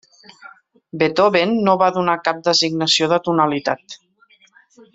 Beethoven no va donar cap designació de tonalitat.